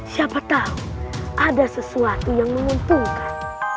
siapa tahu ada sesuatu yang menguntungkan